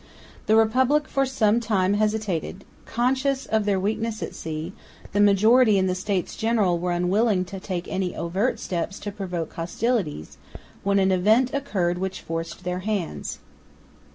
The Republic for some time hesitated. Conscious of their weakness at sea, the majority in the States General were unwilling to take any overt steps to provoke hostilities, when an event occurred which forced their hands.